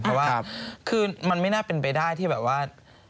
เพราะว่าคือมันไม่น่าเป็นไปได้ที่แบบว่า